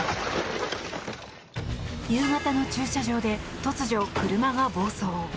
夕方の駐車場で突如、車が暴走。